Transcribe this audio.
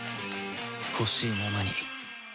ほしいままに